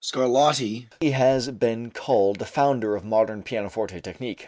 Scarlatti has been called the founder of modern pianoforte technique.